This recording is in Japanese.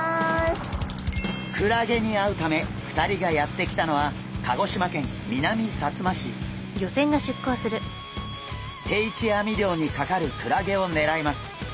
クラゲに会うため２人がやって来たのは定置網漁にかかるクラゲをねらいます。